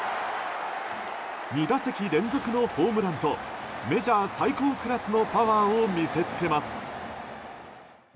２打席連続のホームランとメジャー最高クラスのパワーを見せつけます。